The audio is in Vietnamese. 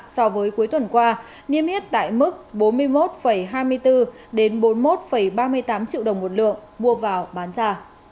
so với cuối tuần qua niêm yết tại mức bốn mươi một hai mươi bốn bốn mươi một ba mươi tám triệu đồng một lượng mua vào bán ra